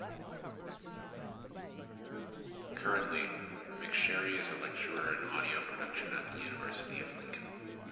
Currently, McSherry is a lecturer in Audio Production at the University of Lincoln.